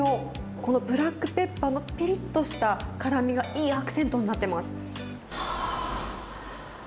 このブラックペッパーのぴりっとした辛みがいいアクセントになってます。